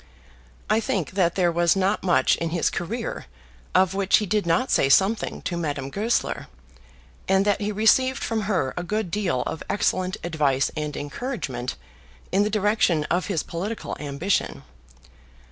I think that there was not much in his career of which he did not say something to Madame Goesler, and that he received from her a good deal of excellent advice and encouragement in the direction of his political ambition.